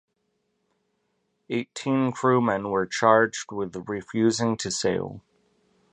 Eighteen crewmen were charged with refusing to sail.